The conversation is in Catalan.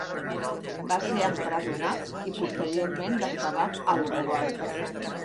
Va ser empresonat i posteriorment desterrat a l'Uruguai.